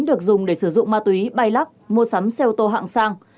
được dùng để sử dụng ma túy bay lắc mua sắm xe ô tô hạng sang